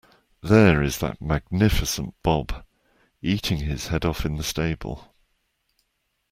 There is that magnificent Bob, eating his head off in the stable.